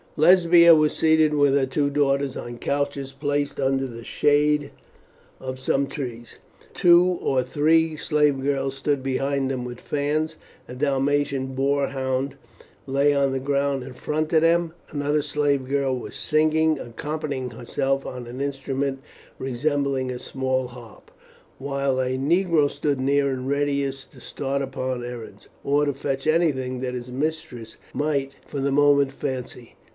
Lesbia was seated with her two daughters on couches placed under the shade of some trees. Two or three slave girls stood behind them with fans. A dalmatian bore hound lay on the ground in front of them. Another slave girl was singing, accompanying herself on an instrument resembling a small harp, while a negro stood near in readiness to start upon errands, or to fetch anything that his mistress might for the moment fancy.